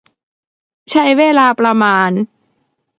ใช้เวลาประมาณ